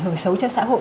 hưởng xấu cho xã hội